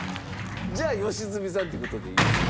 じゃあ良純さんって事でいいですか？